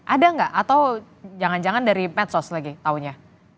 ada nggak atau jangan jangan dari medsos lagi taunya